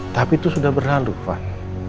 tapi itu sudah berlalu pak